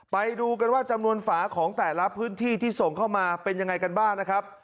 ไปดูกันว่าจำนวนฝาของแต่ละพื้นที่ที่ส่งเข้ามาเป็นยังไงกันบ้างนะครับ